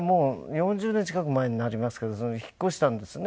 ４０年近く前になりますけど引っ越したんですね